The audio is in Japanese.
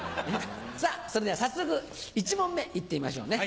さぁそれでは早速１問目いってみましょうね。